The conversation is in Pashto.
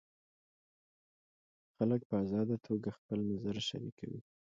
خلک په ازاده توګه خپل نظر شریکوي.